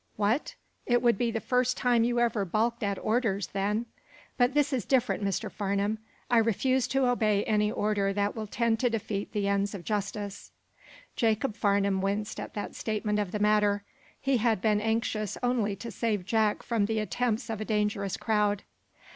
"What? It would be the first time you ever balked at orders, then." "But this is different, Mr. Farnum. I refuse to obey any order that will tend to defeat the ends of justice." Jacob Farnum winced at that statement of the matter. He had been anxious only to save Jack from the attempts of a dangerous crowd.